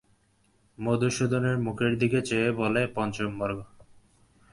মধুসূদনের মুখের দিকে চেয়ে বললে, পঞ্চম বর্গ।